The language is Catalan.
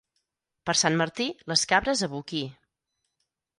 Per Sant Martí, les cabres a boquir.